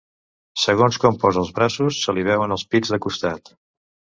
Segons com posa els braços se li veuen els pits de costat.